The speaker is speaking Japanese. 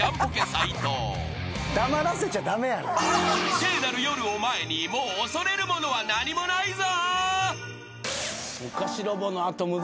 ［聖なる夜を前にもう恐れるものは何もないぞ］